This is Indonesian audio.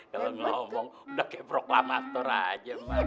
kalau ngomong udah kayak proklamator aja